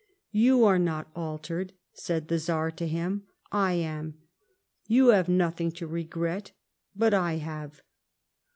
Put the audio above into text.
" You are not altered," said the Czar to him, " I am. You have notliing to regret, but I have."